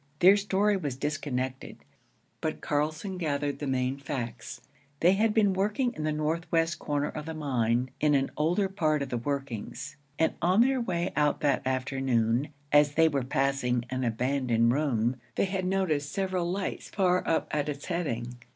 Their story was disconnected, but Carlson gathered the main facts. They had been working in the northwest corner of the mine, in an older part of the workings, and on their way out that afternoon, as they were passing an abandoned room, they had noticed several lights far up at its heading.